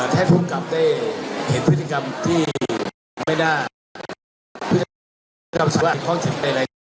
แท่ภูมิกลับได้เห็นพฤติกรรมที่ไม่น่าพฤติกรรมในห้องชีวิตในหลายหลายชีวิต